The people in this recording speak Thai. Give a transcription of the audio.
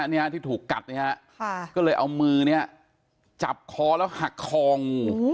เนี่ยที่ถูกกัดเนี่ยฮะก็เลยเอามือเนี่ยจับคอแล้วหักคอง